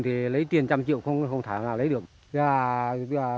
thì lấy tiền một trăm linh triệu không thả nào lấy được